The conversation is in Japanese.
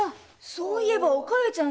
そういえばお加代ちゃん